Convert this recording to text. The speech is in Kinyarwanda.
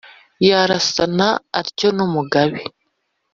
yarasana atyo n'umugabe